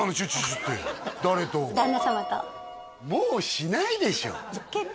もうしないでしょ？え！